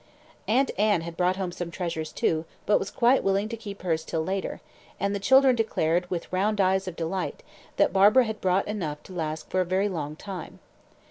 Aunt Anne had brought home some treasures too; but was quite willing to keep hers till later, and the children declared, with round eyes of delight, that Barbara had brought enough to last for a very long time.